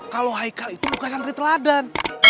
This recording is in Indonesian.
kalau haikal itu bukan santri teladan